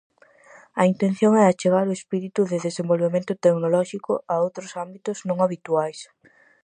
A intención é achegar o espírito de desenvolvemento tecnolóxico a outros ámbitos non habituais.